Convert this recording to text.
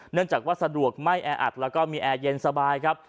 เนื่องจากว่าสะดวกไม่แออัดแล้วก็มีแอร์เย็นสบายครับ